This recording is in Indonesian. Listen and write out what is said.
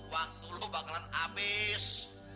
waktu lu bakalan abis